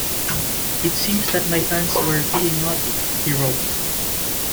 "It seems that my fans were being naughty," he wrote.